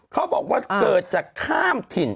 เขาบอกว่าเกิดจากข้ามถิ่น